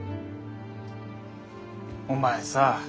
お前さ。